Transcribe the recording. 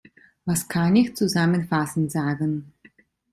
Was kann ich zusammenfassend sagen?